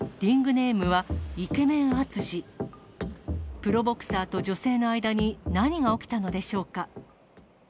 プロボクサーと女性の間に何が起きたのでしょうか。